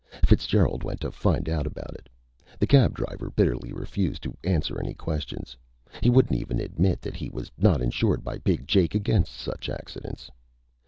Fitzgerald went to find out about it. The cab driver bitterly refused to answer any questions. He wouldn't even admit that he was not insured by Big Jake against such accidents.